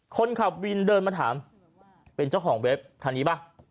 คนขับวินเดินมาถามเป็นเจ้าของเว็บคันนี้ป่ะ